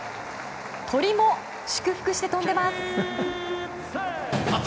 鳥も祝福して飛んでます。